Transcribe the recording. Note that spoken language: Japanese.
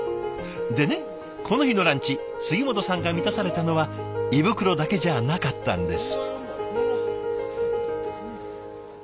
でねこの日のランチ杉本さんが満たされたのは胃袋だけじゃなかったんです。